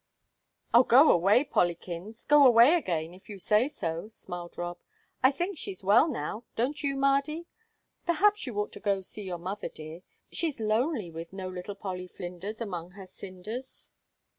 "I'll go away, Pollykins, go away again, if you say so," smiled Rob. "I think she's well now don't you, Mardy? Perhaps you ought to go see your mother, dear. She's lonely with no little Polly Flinders among her cinders."